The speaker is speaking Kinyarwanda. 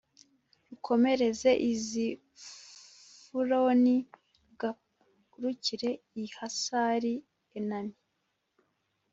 rukomereze i zifuroni rugarukire i hasari enani